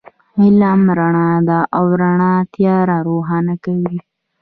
علم رڼا ده، او رڼا تیار روښانه کوي